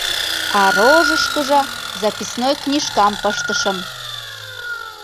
А рожышкыжо записной книжкам пыштышым.